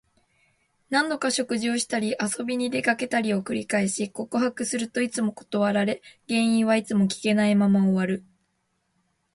何度か食事をしたり、遊びに出かけたりを繰り返し、告白するといつも断られ、原因はいつも聞けないまま終わる。